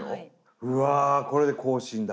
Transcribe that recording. うわこれで更新だ。